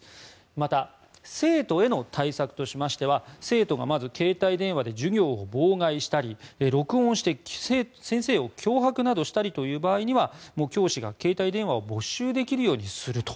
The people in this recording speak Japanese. また、生徒への対策としましては生徒がまず携帯電話で授業を妨害したり録音して先生を脅迫などしたりという場合には教師が携帯電話を没収できるようにすると。